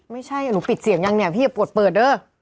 ไม่ใช่หนูปิดเสียงยังเนี่ยพี่อย่าปวดเปิดเด้อ